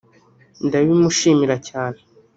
ndabimushimira cyane